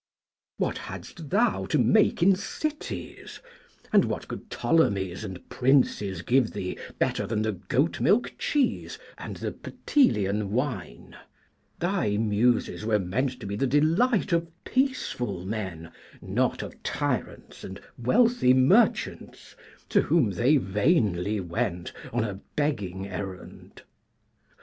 What hadst thou to make in cities, and what could Ptolemies and Princes give thee better than the goat milk cheese and the Ptelean wine? Thy Muses were meant to be the delight of peaceful men, not of tyrants and wealthy merchants, to whom they vainly went on a begging errand.